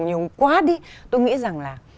nhiều quá đi tôi nghĩ rằng là